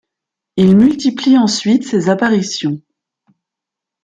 Il multiplie ensuite ses apparitions.